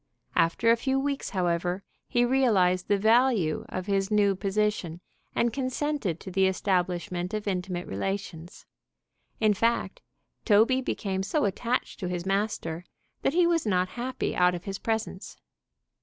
After a few weeks, however, he realized the value of his new position, and consented to the establishment of intimate relations. In fact, Toby became so attached to his master, that he was not happy out of his presence.